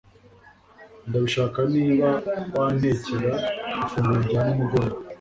Ndabishaka niba wantekera ifunguro rya nimugoroba